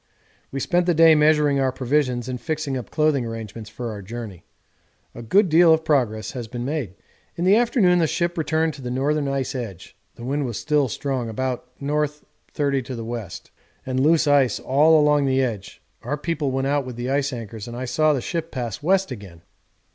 We spent the day measuring our provisions and fixing up clothing arrangements for our journey; a good deal of progress has been made. In the afternoon the ship returned to the northern ice edge; the wind was still strong (about N. 30 W.) and loose ice all along the edge our people went out with the ice anchors and I saw the ship pass west again.